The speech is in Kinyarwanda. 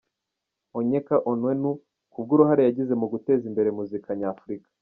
Onyeka Onwenu, kubw’uruhare yagize mu guteza imbere muzika nyafurika.